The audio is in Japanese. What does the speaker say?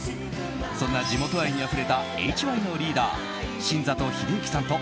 そんな地元愛にあふれたＨＹのリーダー・新里英之さんと